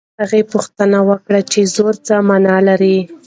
هغه پوښتنه وکړه چې زور څه مانا لري.